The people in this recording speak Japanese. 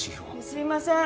すいません